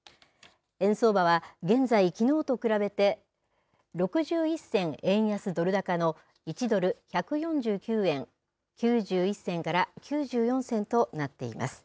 円相場は現在、きのうと比べて６１銭円安ドル高の１ドル１４９円９１銭から９４銭となっています。